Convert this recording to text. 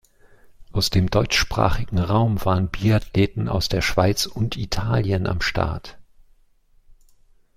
Aus dem deutschsprachigen Raum waren Biathleten aus der Schweiz und Italien am Start.